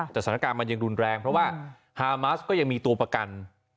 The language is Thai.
แต่สถานการณ์มันยังรุนแรงเพราะว่าฮามัสก็ยังมีตัวประกัน